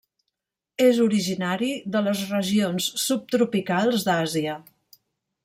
És originari de les regions subtropicals d'Àsia.